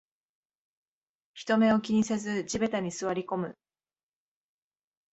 人目を気にせず地べたに座りこむ